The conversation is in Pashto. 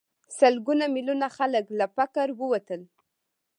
سلګونه میلیونه خلک له فقر ووتل.